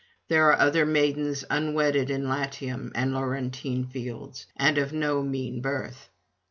There are other maidens unwedded in Latium and Laurentine fields, and of no mean birth.